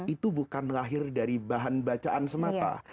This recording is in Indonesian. itu bukan lahir dari bahan bacaan semata